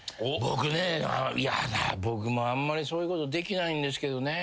僕ね僕もあんまりそういうことできないんですけど。